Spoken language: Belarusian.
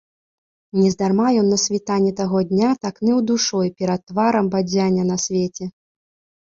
Нездарма ён на світанні таго дня так ныў душой перад тварам бадзяння па свеце.